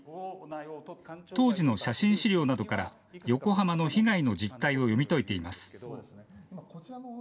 当時の写真資料などから、横浜の被害の実態を読み解いています。